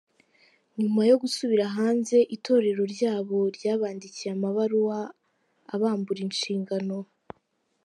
Nyuma yo gusubira hanze, itorero ryabo ryabandikiye amabaruwa abambura inshingano.